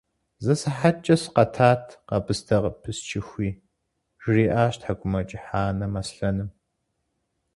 – Зы сыхьэткӀэ сыкъэтат къэбыстэ пысчыхуи, – жриӀащ ТхьэкӀумэкӀыхь анэм Аслъэным.